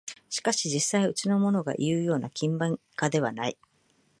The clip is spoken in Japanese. しかし実際はうちのものがいうような勤勉家ではない